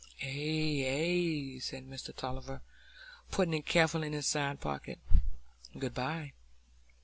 "Ay, ay," said Mr Tulliver, putting it carefully in his side pocket. "Good by."